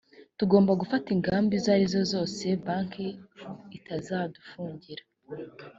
tugomba gufata ingamba izo ari zo zose banki itazadufungira